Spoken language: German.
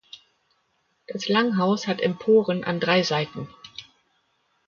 Das Langhaus hat Emporen an drei Seiten.